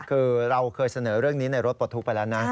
คือเราเคยเสนอเรื่องนี้ในรถปลดทุกข์ไปแล้วนะ